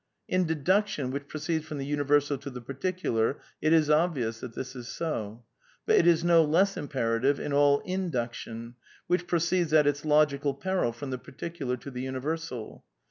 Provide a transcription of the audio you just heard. In deduction, which proceeds from the universal to the particular, it is obvious that this is so. But it is no less imperative in all induc tion, which proceeds, at its logical peril, from the particu lar to the universal.